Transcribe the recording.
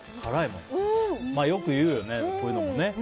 よく言うよね、こういうのもね。